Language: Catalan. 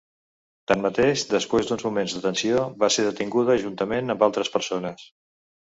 Tanmateix, després d’uns moments de tensió, va ser detinguda juntament amb altres persones.